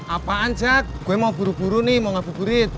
apaan cak gue mau buru buru nih mau ngabur buri